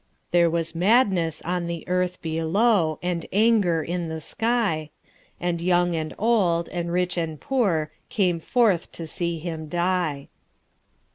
There was madness on the earth belowAnd anger in the sky, And young and old, and rich and poor, Came forth to see him die.